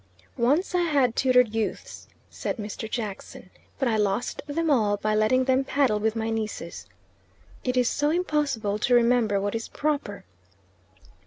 "Once I had tutored youths," said Mr. Jackson, "but I lost them all by letting them paddle with my nieces. It is so impossible to remember what is proper."